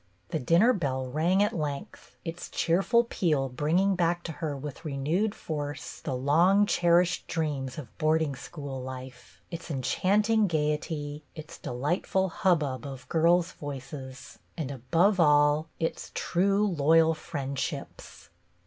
The dinner bell rang at length, its cheerful peal bringing back to her with renewed force the long cherished dreams of boarding school life, its enchanting gayety, its delightful hub bub of girls' voices, and, above all, its true, loyal friendships.